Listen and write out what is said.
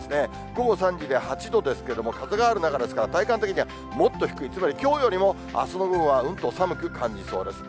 午後３時で８度ですけれども、風がある中ですから、体感的にはもっと低い、つまり、きょうよりも、あすの午後はうんと寒く感じそうです。